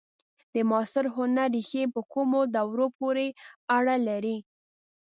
د معاصر هنر ریښې په کومو دورو پورې اړه لري؟